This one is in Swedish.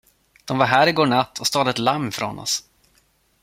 De var här i går natt och stal ett lamm ifrån oss.